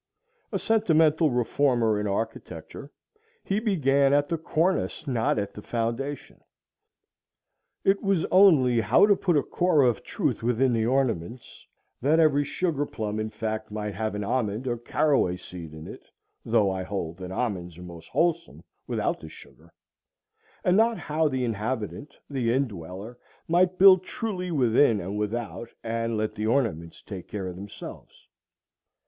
A sentimental reformer in architecture, he began at the cornice, not at the foundation. It was only how to put a core of truth within the ornaments, that every sugar plum in fact might have an almond or caraway seed in it,—though I hold that almonds are most wholesome without the sugar,—and not how the inhabitant, the indweller, might build truly within and without, and let the ornaments take care of themselves.